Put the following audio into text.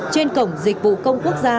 trên cổng dịch vụ công quốc gia